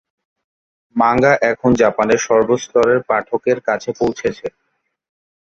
Manga এখন জাপানের সর্বস্তরের পাঠকের কাছে পৌঁছেছে।